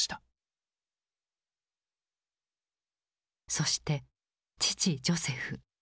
そして父ジョセフ。